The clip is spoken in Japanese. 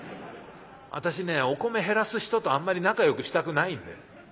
私ねお米減らす人とあんまり仲よくしたくないんで」。